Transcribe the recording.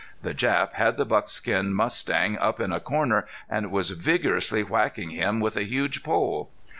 The Jap had the buckskin mustang up in a corner and was vigorously whacking him with a huge pole.